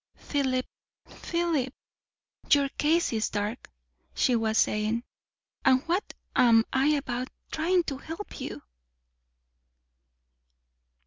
Philip, Philip! your case is dark! she was saying. And what am I about, trying to help you!